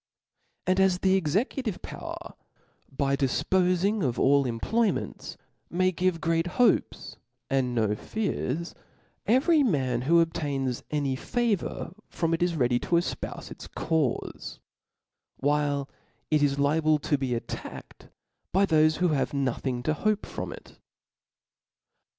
And as the executive power, by difpofing of all employments, may give great hopes, and*no fcan, every man who obtains any favour from it, is ready to O F L A W S, 457 te efpoufe its caufe ; whik itisHabirto be attacked ^5|t*/ by tfaofe who bavtf nochtng to hope from it.